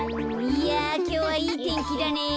いやきょうはいいてんきだね。